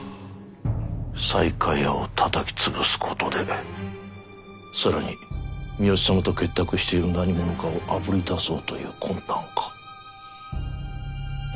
西海屋をたたき潰すことで更に三好様と結託している何者かをあぶり出そうという魂胆か。